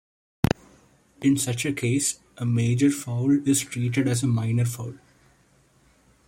In such a case, a major foul is treated as a minor foul.